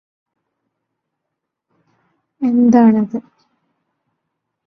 എന്താണത്